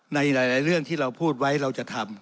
ในหลายเรื่องที่เราพูดไว้เราจะทำ